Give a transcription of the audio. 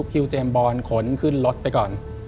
พี่เจมส์บอลขนขึ้นรถไปก่อน